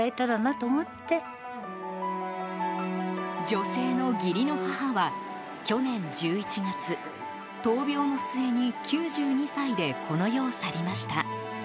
女性の義理の母は、去年１１月闘病の末に９２歳でこの世を去りました。